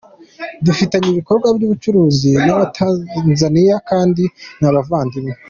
Dufitanye ibikorwa by’ubucuruzi n’abatanzaniya kandi ni abavandimwe.